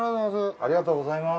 ありがとうございます。